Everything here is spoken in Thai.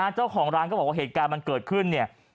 เจ้าของร้านก็บอกว่าเหตุการณ์มันเกิดขึ้นเนี่ย